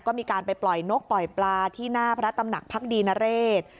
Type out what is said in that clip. ก็มีการไปปล่อยนกปล่อยปลาที่หน้าพระตำหนักพักดีนเรศ